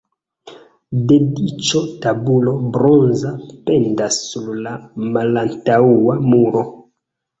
Dediĉo tabulo bronza pendas sur la malantaŭa muro.